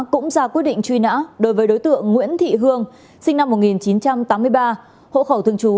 cũng ra quyết định truy nã đối với đối tượng nguyễn thị hương sinh năm một nghìn chín trăm tám mươi ba hộ khẩu thường trú